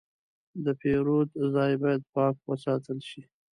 د پیرود ځای باید پاک وساتل شي.